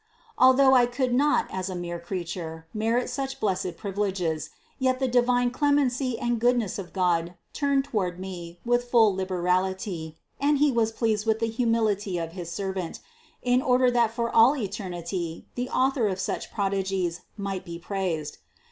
Although I could not, as a mere creature, merit such blessed privi leges, yet the divine clemency and goodness of God turned toward me with full liberality and He was pleased with the humility of his servant, in order that for all eternity the Author of such prodigies might be praised.